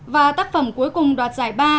và tác phẩm cuối cùng đoạt giải ba